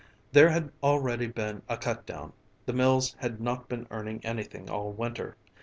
There had already been a cut down, the mills had not been earning anything all winter.